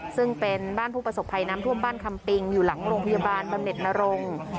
ซึ่งเป็นบ้านผู้ประสบภัยน้ำท่วมบ้านคำปิงอยู่หลังโรงพยาบาลบำเน็ตนรงค์